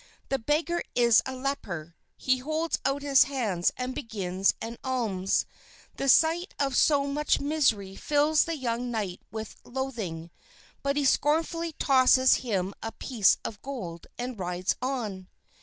The beggar is a leper; he holds out his hands and begs an alms. The sight of so much misery fills the young knight with loathing, but he scornfully tosses him a piece of gold and rides on.